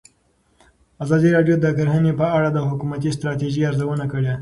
ازادي راډیو د کرهنه په اړه د حکومتي ستراتیژۍ ارزونه کړې.